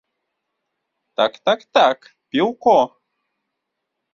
Так, так, так, піўко!